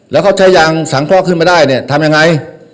แล้วเขาใช้ยางสังข้อขึ้นมาได้เนี่ยทำยังไง